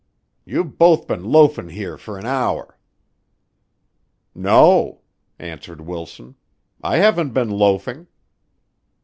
Yer've both been loafin' here fer an hour." "No," answered Wilson, "I haven't been loafing."